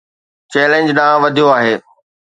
challenge ڏانهن وڌيو آهي